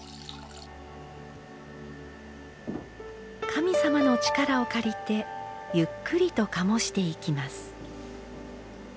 神様の力を借りてゆっくりと醸していきます。